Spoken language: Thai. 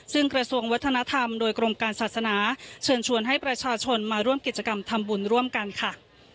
ซึ่งกระทรวงวัฒนธรรมโดยกรมการศาสนาเชิญชวนให้ประชาชนมาร่วมกิจกรรมทำบุญร่วมกันค่ะ